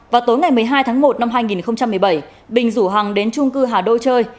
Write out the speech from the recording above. vào tối ngày một mươi hai tháng một năm hai nghìn một mươi bảy bình rủ hằng đến trung cư hà đô chơi